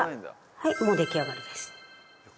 はいもう出来上がりです。